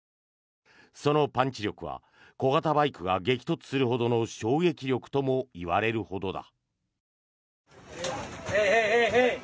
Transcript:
そのパンチ力は小型バイクが激突するほどの衝撃力ともいわれるほどだ。